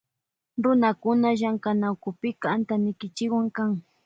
Runakuna llamkanawkupika antanikichikwan kan.